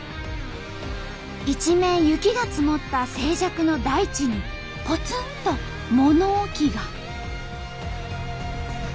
一面雪が積もった静寂の大地にぽつんと物置が。